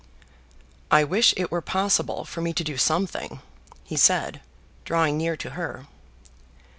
"I wish it were possible for me to do something," he said, drawing near to her.